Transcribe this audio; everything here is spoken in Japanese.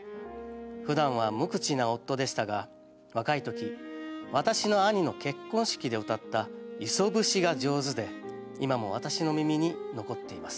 ふだんは無口な夫でしたが若い時私の兄の結婚式でうたった『磯節』が上手で今も私の耳に残っています。